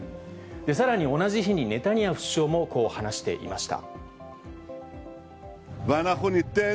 さらに同じ日に、ネタニヤフ首相もこう話していました。